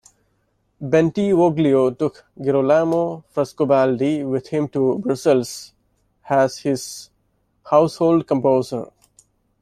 Bentivoglio took Girolamo Frescobaldi with him to Brussels as his household composer.